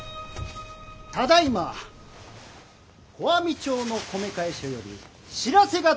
ただいま小網町の米会所より知らせが届きました。